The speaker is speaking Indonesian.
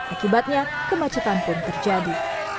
akibatnya kemacetan pun terjadi